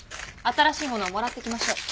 新しいものをもらってきましょう。